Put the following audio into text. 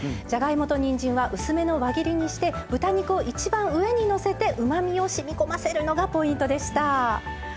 じゃがいもとにんじんは薄めの輪切りにして豚肉を一番上にのせてうまみをしみこませるのがポイントでした。